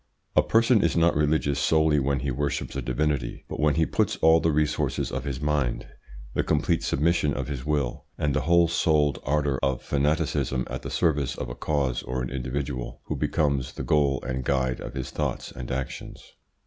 A person is not religious solely when he worships a divinity, but when he puts all the resources of his mind, the complete submission of his will, and the whole souled ardour of fanaticism at the service of a cause or an individual who becomes the goal and guide of his thoughts and actions.